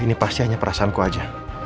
ini pasti hanya perasaanku aja